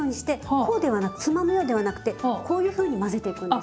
こうではなくつまむようでなくてこういうふうに混ぜていくんです。